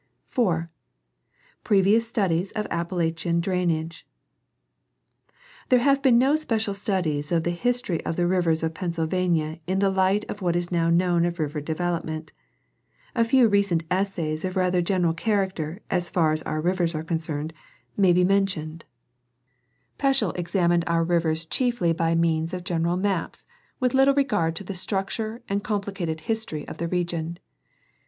4. Previous studies of Appalachian drainage. — There have been no special studies of the history of the rivers of Pennsyl vania in the light of what is now known of river development. A few recent essays of rather general character as far as our rivers are concerned, may be mentioned. 190 National Geographic Magazine. Peschel examined our rivers chiefly by means of general maps with little regard to the structure and complicated history of the region.